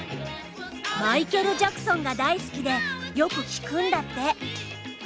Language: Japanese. マイケルジャクソンが大好きでよく聴くんだって。